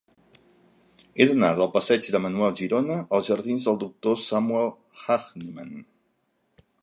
He d'anar del passeig de Manuel Girona als jardins del Doctor Samuel Hahnemann.